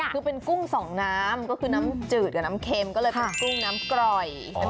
คือเป็นกุ้งสองน้ำก็คือน้ำจืดกับน้ำเค็มก็เลยเป็นกุ้งน้ำกร่อย